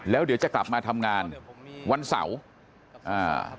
แล้วเดี๋ยวจะกลับมาทำงานวันเสาร์อ่า